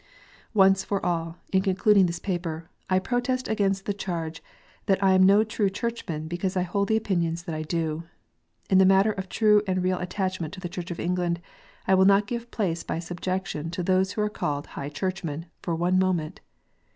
Once for all, in concluding this paper, I protest against the charge that I am no true Churchman because I hold the opinions that I do. In the matter of true and real attachment to the Church of England, I will not give place by subjection to those who are called High Churchmen, for one moment.